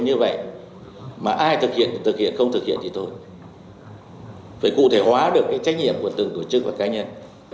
như vậy mà ai thực hiện thực hiện không thực hiện thì thôi phải cụ thể hóa được cái trách nhiệm của từng tổ chức và cá nhân